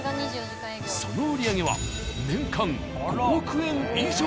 その売り上げは年間５億円以上。